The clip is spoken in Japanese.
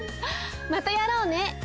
またやろうね。